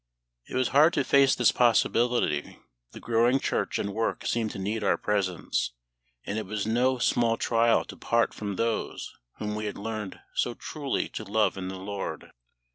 It was hard to face this possibility. The growing church and work seemed to need our presence, and it was no small trial to part from those whom we had learned so truly to love in the LORD.